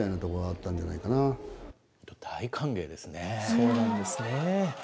そうなんですね。